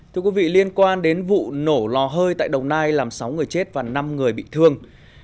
thưa quý vị liên quan đến vụ nổ lò hơi tại đồng nai làm sáu người chết và năm người bị thương